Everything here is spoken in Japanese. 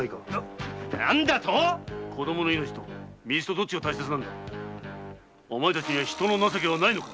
何だと子供の命と水とどっちが大切だお前たちには人の情けはないのか。